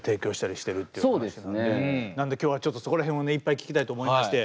なんで今日はちょっとそこら辺をねいっぱい聞きたいと思いまして。